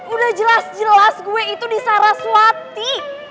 udah jelas jelas gue itu di saraswati